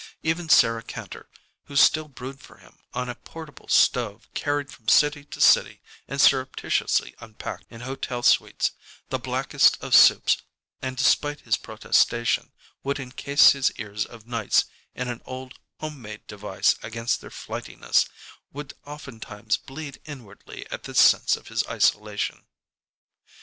Even Sarah Kantor, who still brewed for him, on a small portable stove carried from city to city and surreptitiously unpacked in hotel suites, the blackest of soups, and, despite his protestation, would incase his ears of nights in an old home made device against their flightiness, would oftentimes bleed inwardly at this sense of his isolation.